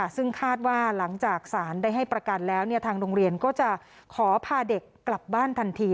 ซึ่งคาดว่าหลังจากสารได้ให้ประกันแล้วทางโรงเรียนก็จะขอพาเด็กกลับบ้านทันที